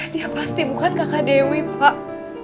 dia pasti bukan kakak dewi pak